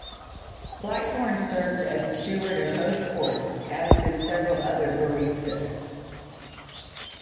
Blackborne served as steward of both courts, as did several other barristers.